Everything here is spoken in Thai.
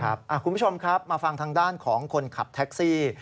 คุณผู้ชมครับมาฟังทางด้านของคนขับแท็กซี่